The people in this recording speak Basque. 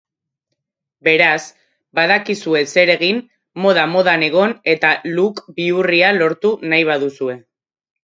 Beraz, badakizue zer egin moda-modan egon eta look bihurria lortu nahi baduzue.